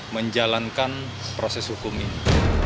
menjalankan proses hukum ini